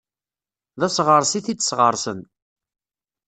D aseɣres i t-id-sɣersen.